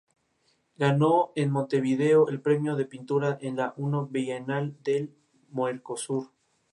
Su unión fue simplemente política sin ninguna clase de afecto.